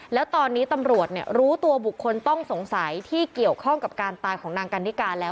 แล้วตอนนี้ตำรวจรู้ตัวบุคคลต้องสงสัยที่เกี่ยวข้องกับการตายของนางกันนิกาแล้ว